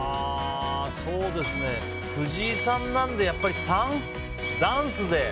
そうですね藤井さんなのでやっぱり３。